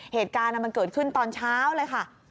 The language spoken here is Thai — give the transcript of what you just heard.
เหตุการณ์มันเกิดขึ้นตอนเช้าเลยค่ะ